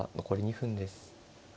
残り２分です。